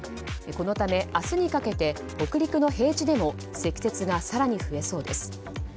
このため、明日にかけて北陸の平地でも積雪が更に増えそうです。